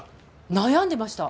悩んでました。